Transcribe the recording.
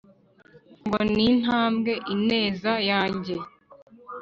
ngo nintambe ineza, yange